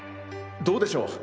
どうでしょう？